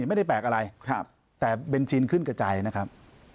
ไม่ได้แปลกอะไรแต่เบนจินขึ้นกระจายนะครับ